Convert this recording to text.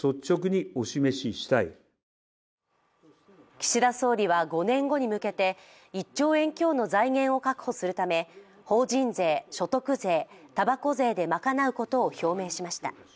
岸田総理は５年後に向けて、１兆円強の財源を確保するため法人税・所得税・たばこ税で賄うことを表明しました。